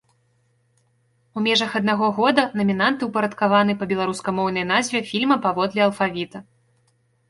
У межах аднаго года намінанты ўпарадкаваны па беларускамоўнай назве фільма паводле алфавіта.